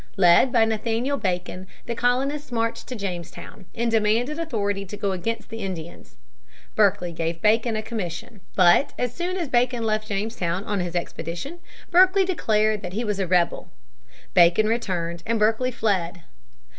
Led by Nathaniel Bacon the colonists marched to Jamestown and demanded authority to go against the Indians. Berkeley gave Bacon a commission. But, as soon as Bacon left Jamestown on his expedition, Berkeley declared that he was a rebel. Bacon returned, and Berkeley fled.